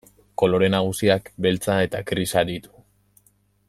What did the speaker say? Kolore nagusiak beltza eta grisa ditu.